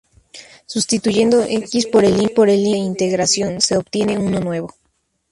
Sustituyendo "x" por el límite de integración, se obtiene uno nuevo.